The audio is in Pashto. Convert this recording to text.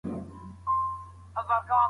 ذهني فشار د ستونزو حل ځنډوي.